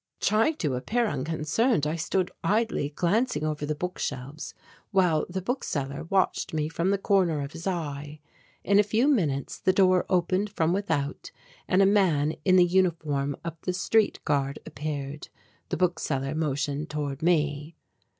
Trying to appear unconcerned I stood idly glancing over the book shelves, while the book seller watched me from the corner of his eye. In a few minutes the door opened from without and a man in the uniform of the street guard appeared. The book seller motioned toward me.